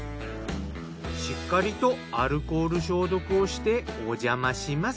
しっかりとアルコール消毒をしておじゃまします。